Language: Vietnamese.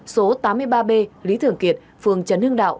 số tám mươi ba b lý thường kiệt phường trần hưng đạo